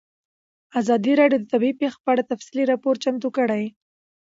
ازادي راډیو د طبیعي پېښې په اړه تفصیلي راپور چمتو کړی.